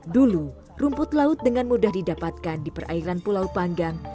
dulu rumput laut dengan mudah didapatkan di perairan pulau panggang